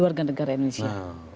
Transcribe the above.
warga negara indonesia